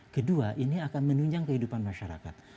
kedua ini akan menunjang kehidupan masyarakat